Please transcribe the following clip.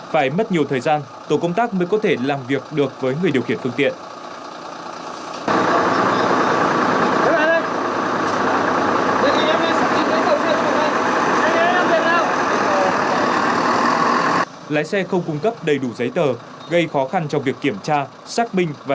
phải mất nhiều thời gian tổ công tác mới có thể làm việc được với người điều khiển phương tiện